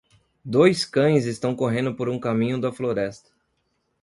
Dois cães estão correndo por um caminho da floresta.